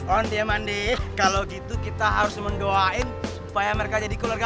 on dia mandi kalau gitu kita harus mendoain supaya mereka jadi keluarga